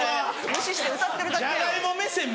無視して歌ってるだけやん。